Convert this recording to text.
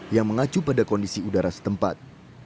yang mengacu pada kondisi udara setempat